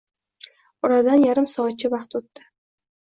Oradan yarim soatcha vaqt o'tdi.